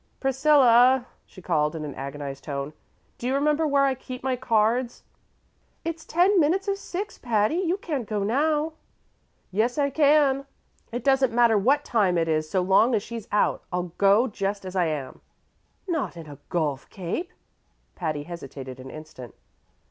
"Priscilla," she called in an agonized tone, "do you remember where I keep my cards?" "It's ten minutes of six, Patty; you can't go now." "Yes, I can. It doesn't matter what time it is, so long as she's out. I'll go just as I am." "Not in a golf cape!" Patty hesitated an instant.